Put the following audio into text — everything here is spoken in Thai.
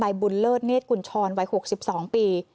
ใบบุญเลิศเนศกุณชรไว้๖๒ปี